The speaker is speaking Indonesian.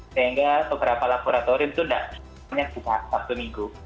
sehingga beberapa laboratorium itu tidak banyak buka satu minggu